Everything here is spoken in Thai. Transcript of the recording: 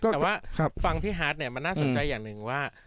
แต่ว่าฟังพี่ฮาร์ดเนี่ยมันน่าสนใจอย่างหนึ่งว่า